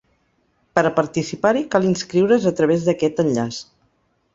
Per a participar-hi cal inscriure’s a través d’aquest enllaç.